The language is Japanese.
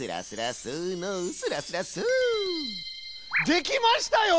できましたよ！